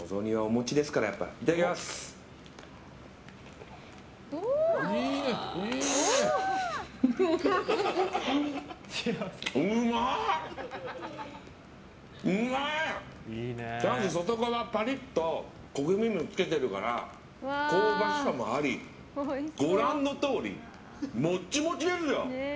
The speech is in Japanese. ちゃんと外側パリッと焦げ目もつけてるから香ばしさもあり、ご覧のとおりもっちもちですよ！